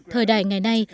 thời đại ngày nay